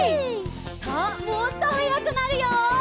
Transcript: さあもっとはやくなるよ！